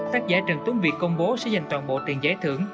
tác giả trần tuấn việt công bố sẽ dành toàn bộ tiền giải thưởng